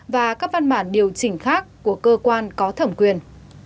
và các văn bản điều chỉnh khác của cơ quan có thẩm quyền